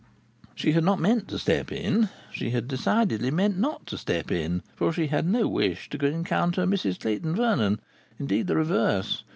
She had not meant to step in. She had decidedly meant not to step in, for she had no wish to encounter Mrs Clayton Vernon; indeed, the reverse.